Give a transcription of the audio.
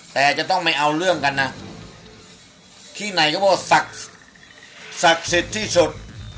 แต่จะต้องไม่เอาเรื่องกันนะที่ไหนก็ว่าศักดิ์ศักดิ์สิทธิ์ที่สุด